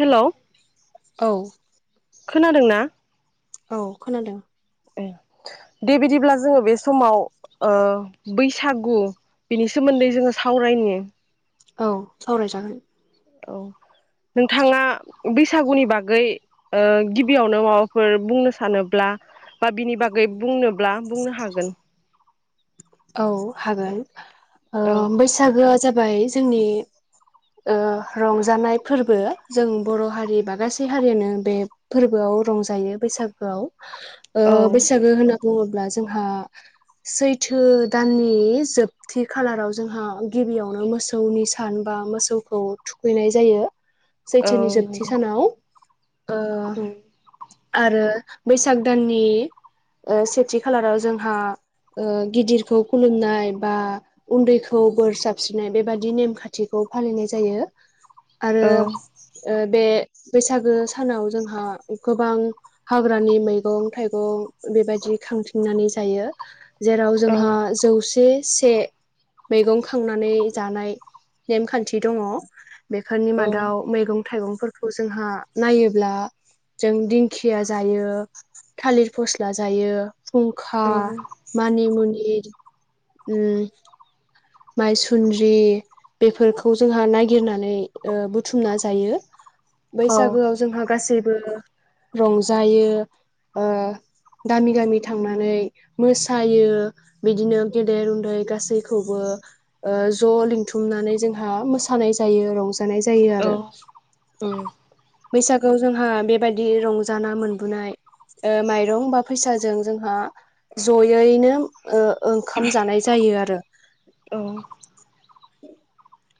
Hello औ खोनादों ना? औ खोनादों ए दे बिदिब्ला जोङो बे समाव ओ बैसागु बिनि सोमोन्दै जोङो सावरायनि औ सावरायजागोन औ नोंथाङा बैसागुनि बागै ओ गिबियावनो माबाफोर बुंनो सानोब्ला बा बिनि बागै बुंनोब्ला बुंनो हागोन औ हागोन ओ औ बैसागुआ जाब बाय जोंनि ओ रंजानाय फोरबो जों बर' हारि बा गासै हारियानो बे फोरबोआव रंजायो बैसागुआव ओ औ बैसागु होनो बुङोब्ला जोंहा सैथ थो दाननि जोबथि खालाराव जोंहा गिबियावनो मोसौनि सान बा मोसौखौ थुखैनाय जायो औ सैथोनि जोबथि नंगौ सानाव ओ उम आरो बैसाग दाननि ओ सेथि खालाराव जोंहा ओ गिदिरखौ खुलुमनाय बा उन्दैखौ बोर साबस्रिनाय बेबादि नेम खान्थिखौ फालिनाय जायो आरो औ ओ बे बैसागु सानाव जोंहा गोबां हाग्रानि मैगं थाइगं बेबायदि खांथिंनानै जायो जेरै औ जोंहा जौसे से मैगं खांनानै जानाय नेमखान्थि दङ' बेफोरनि औ मादाव मैगं थाइगंफोरखौ जोंहा नायोब्ला जों दिंखिया जायो थालिर फस्ला जायो फुंखा उम मानि मनि [unintelligible] ओम माइसुन्द्रि बेफोरखौ जोंहा नागिरनानै ओ बुथुमना जायो औ बैसागोआव जोंहा गासै बो रंजायो ओ गामि गामि थांनानै मोसायो बिदिनो गेदेर उन्दै गासैखौबो ओ ज लिंथुमनानै जोंहा मोसानाय जायो रंजा [unintelligible] जायो आरो उम बैसागु जोंहा बेबायदि रंजाना मोनबोनाय ओ माइरं बा फैसाजों जोंहा जयैनो ओ ओंखाम जानाय जायो आरो औ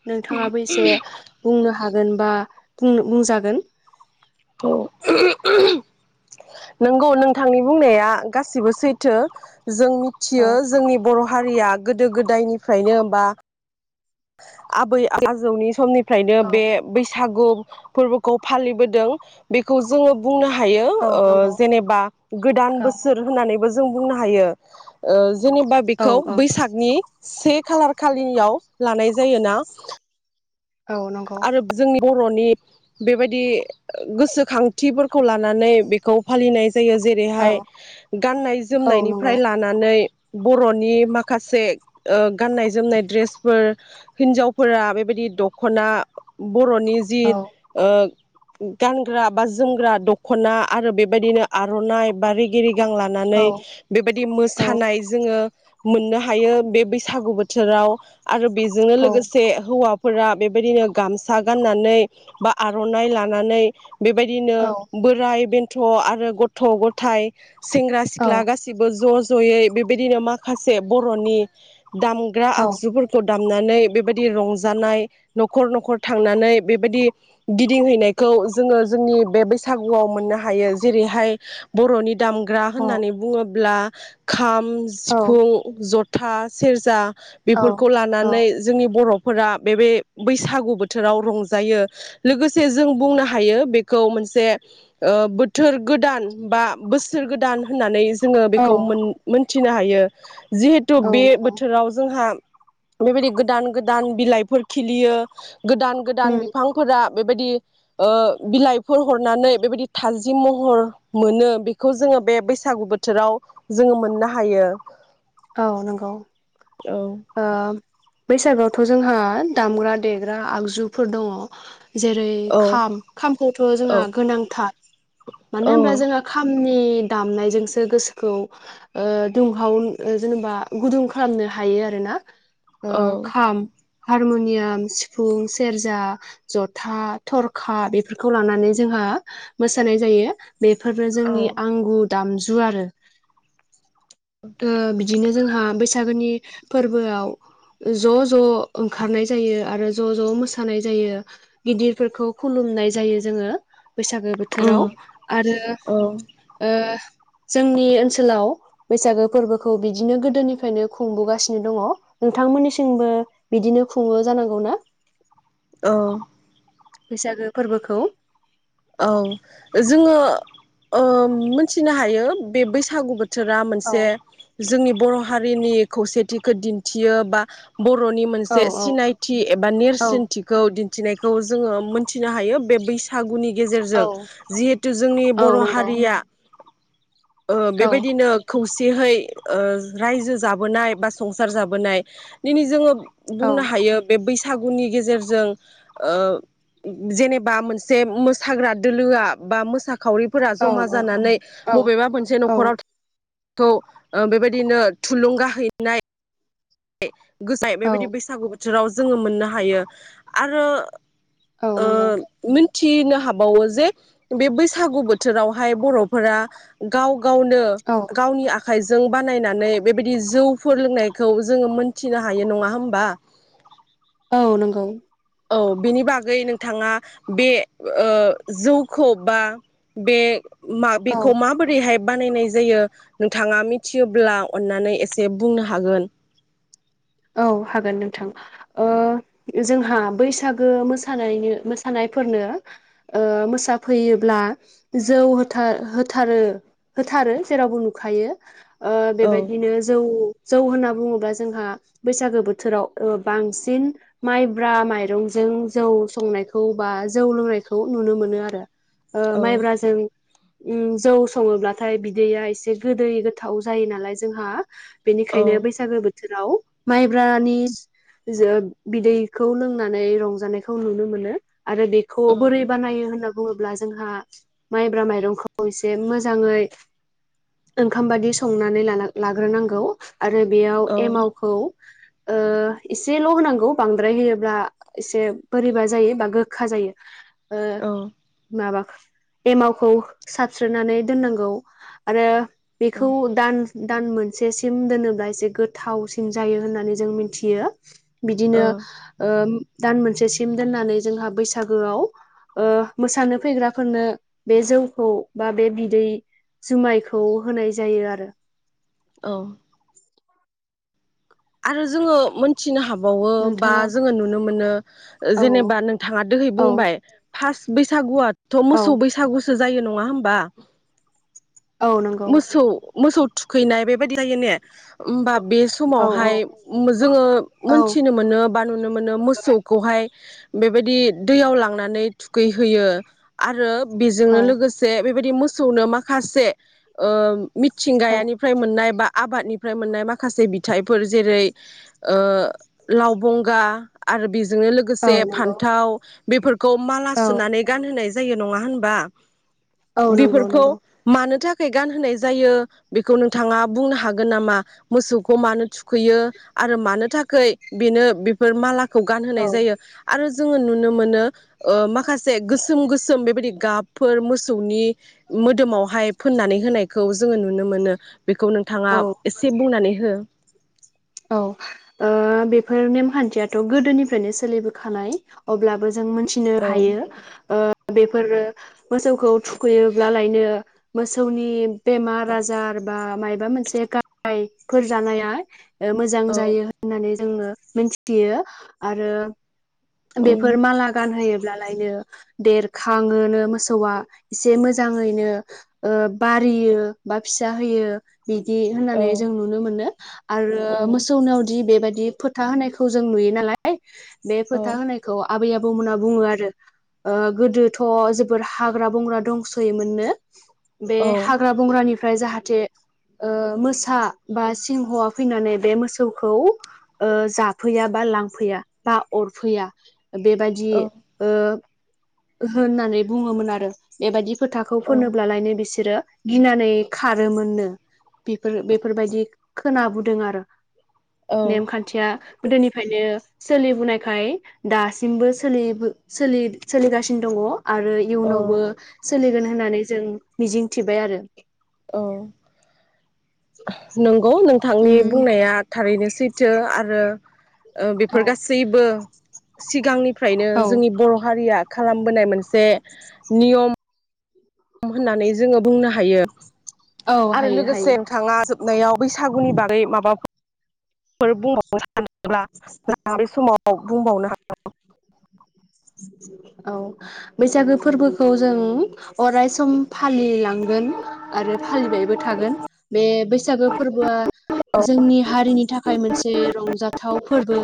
नोंथाङाबो एसे बुंनो हा हागोन बा बुंनो बुंजागोन औ नंगौ नोंथांनि बुंनाया गासिबो सैथो जों औ मिथियो जोंनि बर हारिया गोदो गोदायनिफ्रायनो बा आबै आजौनि समनि फ्रायनो औ बे बैसागु फोरबोखौ फालिबोदों बेखौ जोङो बुंनो हायो औ ओ नंगौ जेनेबा गोदान औ बोसोर होननानैबो जों बुंनो हायो ओ जेनेबा औ बेखौ औ बैसागनि से खालार खालिनियाव लानाय जायोना औ नंगौ आरो जोंनि बर'नि बेबायदि गोसोखांथिफोरखौ लानानै बेखौ फालिनाय जायो औ जेरैहाय गाननाय औ नंगौ जोमनायनिफ्राय लानानै बर'नि माखासे ओ गाननाय जोमनाय द्रेसफोर हिन्जावफोरा बेबायदि दख खना बर'नि जि ओ गानग्रा बा जोमग्रा दखना आरो बेबायदिनो आरनाइ बा रिगि रि गां लानानै बेबायदि मोसानाय जोङो मोननो हायो बे बैसागु बोथोराव आरो बेजोंनो लोगोसे हौवा फोरा बेबायदिनो गामसा गाननानै बा आरनाइ लानानै बेबायदिनो बोराय बेन थ'आरो गथ'-गथाय सेंग्रा सिख्ला गासिबो ज' जयै बेबायदिनो माखासे बर'नि दामग्रा आगजुफोरखौ दामनानै बेबायदि रंजानाय न'खर न'खर थांनानै बेबायदि गिदिंहैनायखौ जोङो जोंनि बे बैसागुआव मोननो हायो जेरैहाय बर'नि दामग्रा होननानै बुङोब्ला । खाम सिफुं जथ था सेरजा । बेफोरखौ लानानै जोंनि बर' फोरा बेबे बैसागु बोथोराव रंजायो लोगोसे जों बुंनो हायो बेखौ मोनसे ओ बोथोर गोदान बा बोसोर गोदान होननानै जो जोङो बेखौ मोन मोन थिनो हायो। जिहेथु औ बे नंगौ बोथोराव जोंहा बेबायदि गोदान गोदान बिलाइफोर खिलियो । गोदान गोदान उम बिफांफोरा बेबायदि ओ बिलाइफोर हरनानै बेबायदि थाजिम महर मोनो बेखौ जोंङो बे बैसागु बोथोराव जोंङो मोननो हायो । औ नंगौ ओ बैसागुआवथ जोंहा दामग्रा देग्रा आगजुफोर दंङ । जेरै औ खाम खामखौथ औ जोंहा गोनांथार मानो औ होनबा जोंहा खाम नि दामनायजोंसो गोसोखौ ओ दुंहाव ओ जेनेबा गुदुं खालामनो हायो आरोना। ओ खाम हारमुनियाम सिफुं सेरजा जथा थरखा बेफोरखौ लानानै जोंहा मोसानाय जायो । बेफोरनो जोंनि आंगु दामजु । जु आरो । [inaudible] ओ बिदिनो जोंहा बैसागोनि फोरबोआव ज ज ओंखारनाय जायो आरो ज' ज' मोसानाय जायो गिदिरफोरखौ खुलुमनाय जायो जोंङो। बैसागो औ बोथोराव आरो औ ओ जोंनि ओनसोलाव बैसागोफ फोरबोखौ बिदिनो गोदोनिफ्रायनो खुंबोगासिनो दंङ नोंथांमोननिसिंबो बिदिनो खुंङो जानांगौ ना? औ बैसागो फोरबोखौ औ जोंङो ओ मोनथिनो हायो बे बैसागु बोथ थोरा औ मोनसे जोंनि बर' हारिनि खौसेथिखौ दिन्थियो बा बरनि औ मोनसे औ सिनायथि एबा औ नेरसिोनथिखौ मिथिनायखौ जोंङो मोनथिनो हायो बे बैसागुनि ज गेजेरजों औ जिथु जोंनि औ बर नंगौ हारिया औ बेबायदिनो खौसे जहै रायजो जाबोनाय बा संसार जाबोनाय दिनै जोंङो औ बुंनो हायो बे बैस बैसागुनि गेजेरजों जेनेबा मोनसे हाग्रा दोलोआ बा मोसा खावरिफोरा औ जमा जानानै औ बबेबा मोनसे औ नखराव खौ बेबायदिनो थुलुंगा हैनाय [unintelligible] गोजाय औ बेबायदि बैसागु बोथोराव जोङो मोननो हायो। आरो औ नंगौ। न्थिनो हाबावो जे बे बैसागु बोथोरावहाय बर'फोरा गाव गावनो औ गावनि आ खाइजों बानायनानै बेबायदि जौफोर लोंनायखौ जोङो मोन्थिनो हायो नङा होमबा। औ नंगौ औ बेनि बागै नोंथाङा। बे ओ जौखौ बा बे मा औ बेखौ माबोरैहाय बानायनाय जायो नोंथाङा मिथियोब्ला अननानै एसे बुंनो हागोन। औ हागोन नोंथां। ओ जोंहा बैसागो मोसानायनि मोसानायफोरनो ओ मोसाफैयोब्ला जौ होथार होथारो होथारो जेरावबो नुखायो। ओ औ बेबायदिनो जौ जौ होन्ना बुङोब्ला जोंहा बैसागो बोथोराव बांसिन माइब्रा माइरंजों जौ संनायखौ बा जौ लोंनायखौ नुनो मोनो आरो। ओ औ माइब्राजों उम जौ सङोब्लाथाय बिदैया एसे गोदै गोथाव जायो नालाय जोंहा। औ बेनिखायनो बैसागो बो थोराव माइब्रानि जो बिदैखौ लोंनानै रंजानायखौ नुनो मोनो। आरो बेखौ बोरै उम बानायो होनो‌ बुङोब्ला जोंहा माइब्रा माइरंखौ एसे मोजाङै ओंखाम बादि संनानै लानां लाग्रोनांगौ। आरो बेयाव औ एमावखौ ओ एसेल' होनांगौ बांद्राय होयोब्ला एसे बोरैबा जायो बा गोखा जायो। ओ औ माबा एमावखौ साबस्रोनानै दोननांगौ। आरो औ बेखौ दान दान मोनसेसिम दोनोब्ला एसे गोथावसिन जायो होननानै जों मिन्थियो। बिदिनो ओ दान मोनसेसिम दोननानै जोंहा बैसागोआव ओ मोसानो फैग्राफोरनो बे जौखौ बा बे बिदै जुमायखौ होनाय जायो आरो। औ। आरो जोङो मोन्थिनो हा बावो बा नोंथाङा जोङो नुनो मोनो औ जेनेबा नोंथांआ दोहै औ बुंबाय। फास्ट बैसागुआ थ' औ मोसौ बैसागु सो जायो नङा होमबा। औ नंगौ मोसौ मोसौ थुखैनाय बेबायदि जायो ने? ओमबा बे समाव औ औ फाय उम जोङो औ मोनथिनो मोनो बा नुनो मोनो मोसौखौहाय बेबायदि दैयाव लांनानै थुखैहैयो आरो बेजोंनो औ लोगोसे बेबायदि मोसौनो माखासे ओ औ मिथिंगायानिफ्राय मोननाय बा आबादनिफ्राय मोननाय माखासे बिथाइ फोर जेरै ओ लावबंगा आरो बे जोंनो औ लोगोसे नंगौ फान्थाव बेफोर खौ माला औ सुनानै गानहोनाय जायो नङा होनबा? औ नंगौ बेफोरखौ नंगौ मानो था खाय गानहोनाय जायो बेखौ नोंथाङा बुंनो हागोन नामा मोसौखौ मानो थु खैयो आरो मानो थाखै बेनो बेफोर माला खौ औ गानहोनाय जायो आरो जोङो नुनो मोनो ओ माखासे गोसोम गोसोम बेबायदि गाबफोर मोसौनि मोदोमावहाय फोननानै होनायखौ जोङो नुनो मोनो। बेखौ नोंथाङा औ एसे बुंनानै हो। औ ओ बेफोर नेमखान्थियाथ' गोदोनिफ्रायनो सोलिबोखानाय अब्लाबो जों मोनथिनो औ हायो ओ बेफोरो मोसौखौ थुखैयोब्लालायनो मोसौनि बेमार आजार बा मायबा मोनसे गाहायफोर जानाया ओ मोजां औ जायो होननानै जोङो मिथियो आरो उम बेफोर माला गानहोयो ब्लालायनो देरखाङोनो मोसौआ एसे मोजाङैनो ओ बारियो बा फिसा होयो। बिदि औ होननानै जों नुनो मोनो आरो उम मोसौनावदि बेबा दि फोथा होनायखौ जों नुयो नालाय बे औ फोथा होनायखौ आबै आब बौमोना बुङो आरो ओ गोदोथ' जोबोर हाग्रा बंग्रा दंसोयोमोननो। बे औ हाग्रा बंग्रानि फ्राय जाहाथे ओ मोसा बा सिंहआ फैनानै बे मोसौखौ ओ जाफैया बा लांफैया बा अर फैया बेबायदि औ ओ होननानै बुङोमोन आरो बेबादि फोथाखौ फोनोब्लालायनो बिसोरो गिनानै खारोमोननो बिफोर बेफोरबायदि खोनाबोदों आरो। औ नेमखान्थिया गोदोनिफायनो सोलिबुनाय फाय दासिमबो सोलि बो सोलि सोलिगासिनो दङ। आरो औ इयुनावबो सोलिगोन होननानै जों मिजिं थिबाय आरो । औ नंगौ नों थांनि उम बुंनाया था थारैनो सैथो आरो ओ औ बिफोर गासैबो सिगांनि फ्रायनो औ जोंनि बर हारिया खालामबोनाय मोनसे नियम होननानै जोङो बुंनो हायो। औ आरो हायो लोगोसे हायो नोथाङा जोब नैयाव बैसागुनि बागै माबाफो फोर बुंबावनो सा सा नोब्ला ना बे समाव आव बुंबावनो हा [unintelligible] औ बैसागो फोरबोखौ जों अराय सम फालिलांगोन आरो फालिबायबो थागोन बे बैसागो फोरबोआ हागोन जोंनि हारिनि थाखाय मोनसे रंजाथाव फोरबो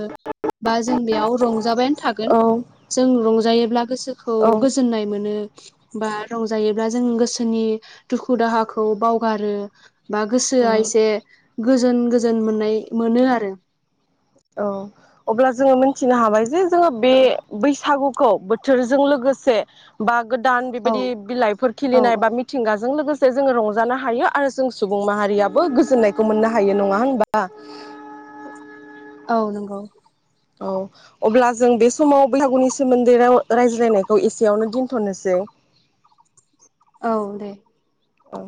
बा जों बेयाव रंजाबायान औ । जों रंजायोब्ला गोसोखौ गोजोननाय मोनो बा रंजायोब्ला जों गोसोनि दुखु दाहाखौ बावगारो बा गोसोआ उम एसे गोजोन गोजोन मोननाय मोनो आरो । औ अब्ला जोङो मिथिनो हाबाय जे जोङो बे औ बैसागु खौ बोथोरजों लोगोसे बा गोदान बेबायदि बिलाइफोर औ खिलिनाय बा औ मिथिंगाजों लोगो से जोङो रंजानो हायो आरो जों सुबुं माहारियाबो गोजोननायखौ मोननो हायो नङा होनबा? औ नंगौ । औ अब्ला जों बे समाव बैसागुनि सोमोन्दै राव रायज्लायनायखौ एसेयावनो दोनथ'नोसै । औ दे औ